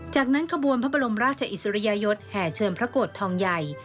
จากนั้นขบวนพระบรมราชอิสริยยศแห่เชิญพระโกรธทองใหญ่